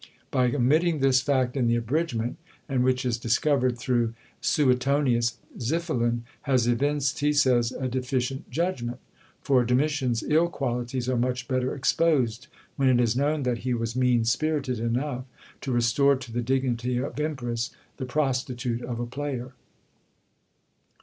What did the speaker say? By omitting this fact in the abridgment, and which is discovered through Suetonius, Xiphilin has evinced, he says, a deficient judgment; for Domitian's ill qualities are much better exposed, when it is known that he was mean spirited enough to restore to the dignity of Empress the prostitute of a player.